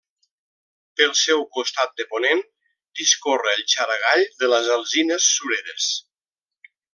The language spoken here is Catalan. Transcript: Pel seu costat de ponent discorre el Xaragall de les Alzines Sureres.